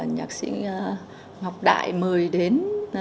nhạc sĩ ngọc đại mời đến